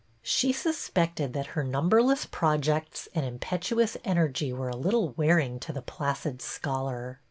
She suspected that her numberless projects and impetuous energy were a little wearing to the placid scholar.